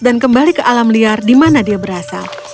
dan kembali ke alam liar di mana dia berasal